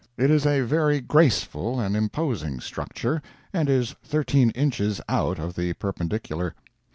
It is a very graceful and imposing structure, and is thirteen inches out of the perpendicular.